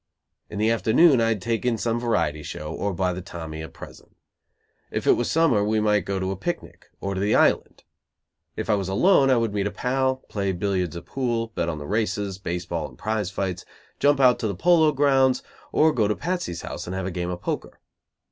In the afternoon I'd take in some variety show; or buy the "Tommy" a present; if it was summer we might go to a picnic, or to the Island. If I was alone, I would meet a pal, play billiards or pool, bet on the races, baseball and prize fights, jump out to the Polo grounds, or go to Patsy's house and have a game of poker.